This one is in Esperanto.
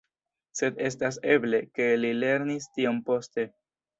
Sed estas eble, ke li lernis tion poste.